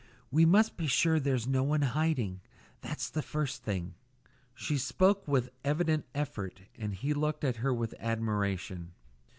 We must be sure there's no one hiding. That's the first thing." She spoke with evident effort, and he looked at her with admiration.